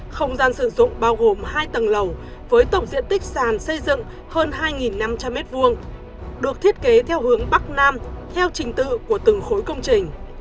không gian sử dụng bao gồm hai tầng lầu với tổng diện tích sàn xây dựng hơn hai năm trăm linh m hai được thiết kế theo hướng bắc nam theo trình tự của từng khối công trình